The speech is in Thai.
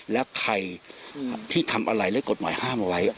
และใครที่ทำอะไรและกฎหมายห้ามเอาไว้